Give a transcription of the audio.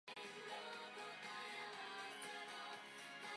お前は今まで食べたパンの枚数を覚えているのか？